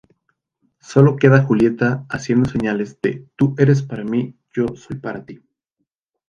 Sólo queda Julieta haciendo señales de Tu Eres Para Mí Yo Soy Para Ti.